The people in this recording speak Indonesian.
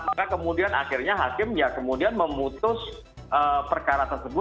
maka kemudian akhirnya hakim ya kemudian memutus perkara tersebut